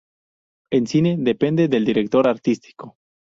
En cine, depende del director artístico.